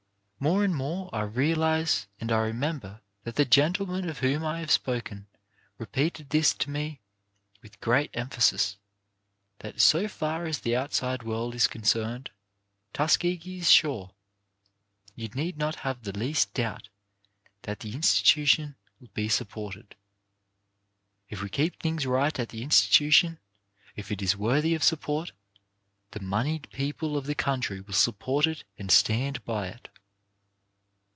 More and more I realize — and I remember that the gentleman of whom I have spoken repeated this to me with great emphasis — that so far as the outside world is concerned, Tuskegee is sure; you need not have the least doubt that the insti tion will be supported. If we keep things right at the institution, if it is worthy of support, the moneyed people of the country will support it and stand by it.